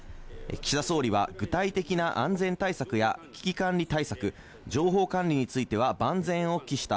岸田総理は具体的な安全対策や危機管理対策、情報管理については万全を期した。